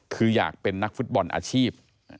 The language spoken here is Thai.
คืออยากเป็นนักฟุตบอลอาชีพ